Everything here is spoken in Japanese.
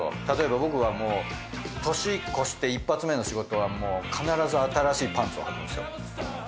例えば僕はもう年越して１発目の仕事はもう必ず新しいパンツをはくんすよ。